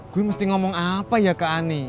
gue mesti ngomong apa ya ke ani